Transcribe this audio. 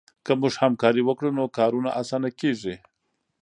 که موږ همکاري وکړو نو کارونه اسانه کېږي.